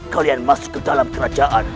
kalian masuk ke dalam kerajaan